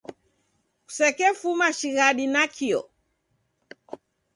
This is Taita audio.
Kusekefuma shighadi nakio.